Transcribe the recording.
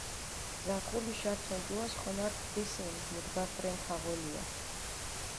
ზარხულიშ ართ ონჯუას ხონარქ გისიმჷ, მუდგაქ რენ ქაღოლუა.